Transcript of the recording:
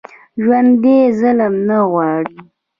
ژوندي ظلم نه غواړي